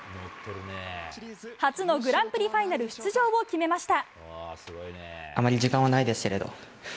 初のグランプリファイナル出場を決めました。